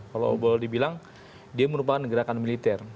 kalau boleh dibilang dia merupakan gerakan militer